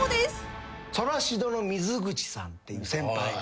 ソラシドの水口さんっていう先輩が。